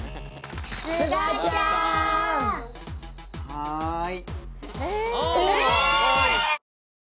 はい。